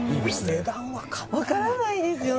値段分かんない分からないですよね